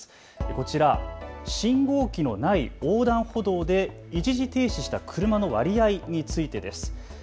こちら、信号機のない横断歩道で一時停止した車の割合についてです。